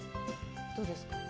どうですか？